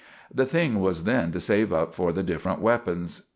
The thing was then to save up for the diferent weppons.